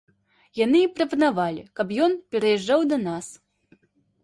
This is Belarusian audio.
Яны і прапанавалі, каб ён пераязджаў да нас.